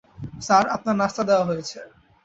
Sir, আপনার নাশতা দেয়া হয়েছে।